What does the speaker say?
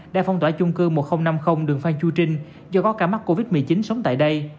đã phong tỏa chung cư một nghìn năm mươi đường phan chu trinh do có ca mắc covid một mươi chín sống tại đây